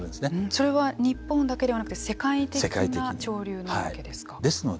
それは日本だけではなくて世界的な潮流なわけですか。